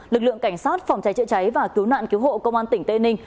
lực lượng cảnh sát phòng cháy chữa cháy và cứu nạn cứu hộ công an tỉnh tây ninh